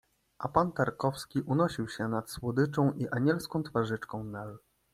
A pan Tarkowski unosił sie nad słodyczą i anielską twarzyczką Nel.